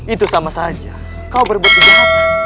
itu sama saja kau berbuat jahat